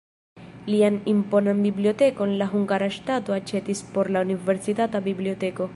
Lian imponan bibliotekon la hungara ŝtato aĉetis por la universitata biblioteko.